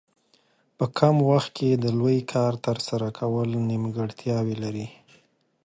په کم وخت کې د لوی کار ترسره کول نیمګړتیاوې لري.